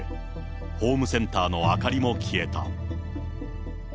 ホームセンターの明かりも消えた。